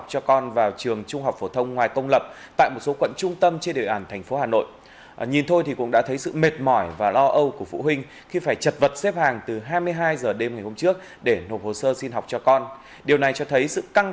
cổng trường trung học cơ sở và trung học phổ thông tại quang biểu hai giờ sáng